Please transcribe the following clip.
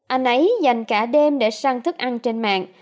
anh ấy dành cả đêm để sang thức ăn trên mạng